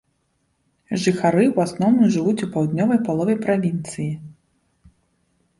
Жыхары ў асноўным жывуць у паўднёвай палове правінцыі.